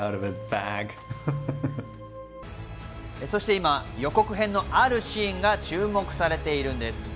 そして今、予告編のあるシーンが注目されているんです。